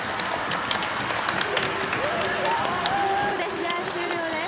試合終了です。